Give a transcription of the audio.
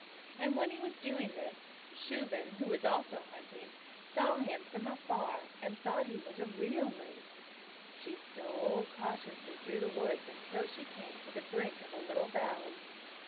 And he was doing this when Shuben, who was also out hunting, saw him from afar and thought he was a real moose. She stole cautiously through the woods until she came to the brink of a little valley.